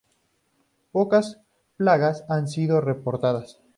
Pocas plagas han sido reportadas.